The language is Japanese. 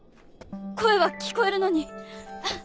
声は聞こえるのに。